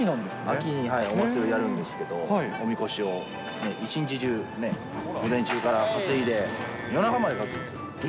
秋にはい、お祭りやるんですけど、おみこしを一日中、午前中から担いで、夜中まで担ぐんですよ。